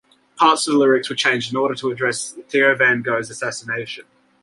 Parts of the lyrics were changed in order to address Theo van Gogh's assassination.